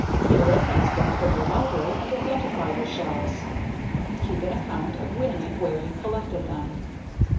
Get a reference book from your library and identify your shells. Keep an account of when and where you collected them.